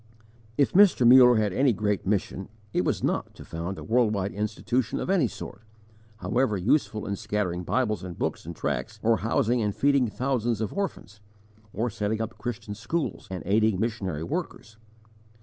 If Mr. Muller had any great mission, it was not to found a world wide institution of any sort, however useful in scattering Bibles and books and tracts, or housing and feeding thousands of orphans, or setting up Christian schools and aiding missionary workers.